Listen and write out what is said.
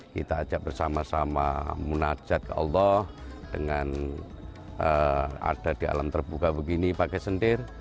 kita ajak bersama sama munajat ke allah dengan ada di alam terbuka begini pakai sendir